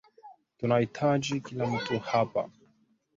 Tunahitaji kila mtu hapa